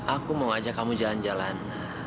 aku mau ajak kamu jalan jalan